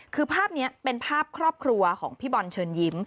คือภาพนี้เป็นภาพครอบครัวของพี่บอลเชิญยิ้ม